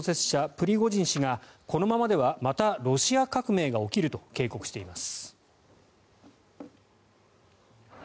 プリゴジン氏がこのままではまたロシア革命が起きると警告しています。